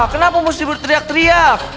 kenapa mesti berteriak teriak